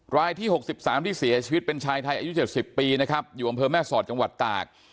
รายที่๖๓ที่เสียชีวิตเป็นชายไทยอายุ๗๐ปีนะครับอยู่อำเภอแม่สอดจังหวัดตาก